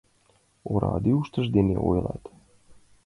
Ораде ушышт дене ойлат.